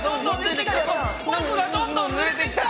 コルクがどんどんぬれてきた！